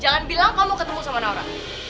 jangan bilang kamu ketemu sama naura